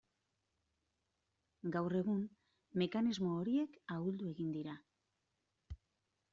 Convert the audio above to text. Gaur egun mekanismo horiek ahuldu egin dira.